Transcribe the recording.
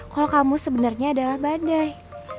kalau kamu sebenarnya adalah badai